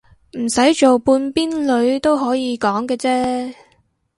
唔使做半邊女都可以講嘅啫